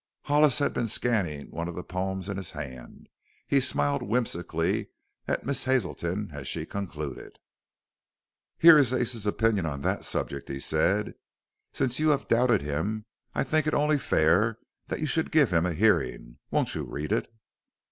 Hollis had been scanning one of the poems in his hand. He smiled whimsically at Miss Hazelton as she concluded. "Here is Ace's opinion on that subject," he said. "Since you have doubted him I think it only fair that you should give him a hearing. Won't you read it?"